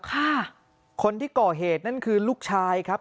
ค่ะคนที่ก่อเหตุนั่นคือลูกชายครับ